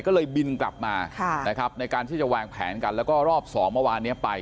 ก็เลยบินกลับมานะครับในการที่จะวางแผนกันแล้วก็รอบสองเมื่อวานนี้ไป